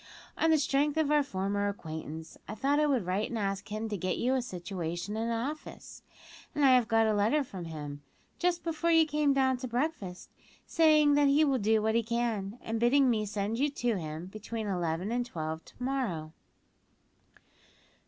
On the strength of our former acquaintance, I thought I would write and ask him to get you a situation in an office, and I have got a letter from him, just before you came down to breakfast, saying that he will do what he can, and bidding me send you to him between eleven and twelve to morrow."